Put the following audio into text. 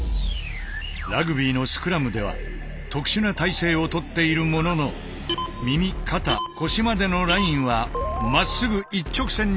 ラグビーのスクラムでは特殊な体勢をとっているものの耳肩腰までのラインはまっすぐ一直線になっている。